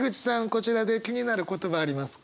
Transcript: こちらで気になる言葉ありますか？